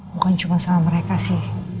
bukan cuma sama mereka sih